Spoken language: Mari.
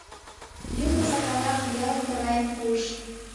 Юмо Сакарлан пиалым тыгайым пуыш.